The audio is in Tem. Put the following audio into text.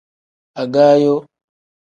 Agaayo.